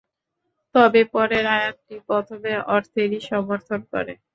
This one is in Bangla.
তবে পরের আয়াতটি প্রথম অর্থেরই সমর্থন করে।